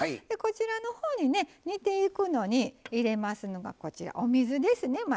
こちらの方に煮ていくのに入れますのがこちらお水ですね